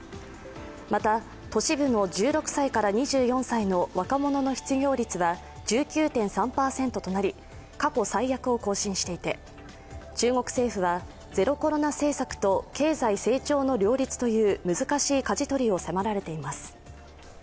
また、都市部の１６歳から２４歳の若者の失業率は１９．３％となり過去最悪を更新していて、中国政府はゼロコロナ政策と経済成長の両立という難しいかじ取りを迫られています。